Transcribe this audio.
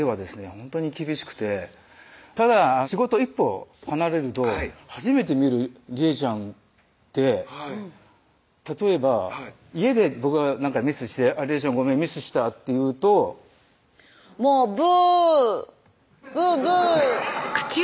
ほんとに厳しくてただ仕事を一歩離れると初めて見る利恵ちゃんって例えば家で僕が何かミスして「利恵ちゃんごめんミスした」って言うと「もうブー！ブーブー！」